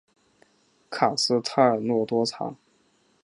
卡斯泰尔诺多藏。